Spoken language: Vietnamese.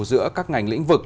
giữa các ngành lĩnh vực